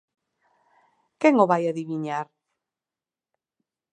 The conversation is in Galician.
Quen o vai adiviñar?